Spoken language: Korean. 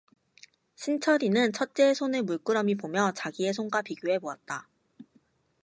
신철이는 첫째의 손을 물끄러미 보며 자기의 손과 비교해 보았다.